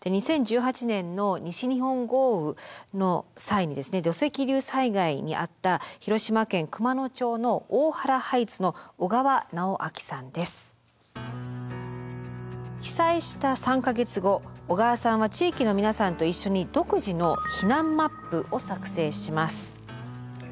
２０１８年の西日本豪雨の際に土石流災害に遭った広島県熊野町の被災した３か月後小川さんは地域の皆さんと一緒に独自の避難マップを作成します。